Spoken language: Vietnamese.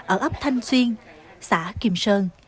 ở ấp thanh xuyên xã kim sơn